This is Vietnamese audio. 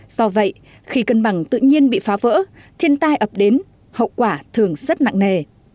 do vậy khi cân bằng tự nhiên bị phá vỡ thiên tai ập đến hậu quả thường rất nặng nề